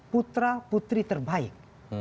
putra putri terbaik